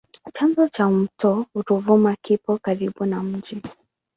Chanzo cha mto Ruvuma kipo karibu na mji.